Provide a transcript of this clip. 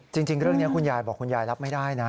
จริงเรื่องนี้คุณยายบอกคุณยายรับไม่ได้นะ